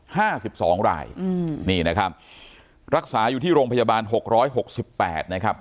ห้าสิบสองรายอืมนี่นะครับรักษาอยู่ที่โรงพยาบาลหกร้อยหกสิบแปดนะครับ